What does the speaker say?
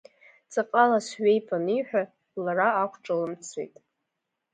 Ҵаҟала сҩеип, аниҳәа, лара ақәҿылымҭӡеит.